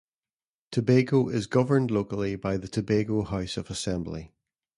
Tobago is governed locally by the Tobago House of Assembly.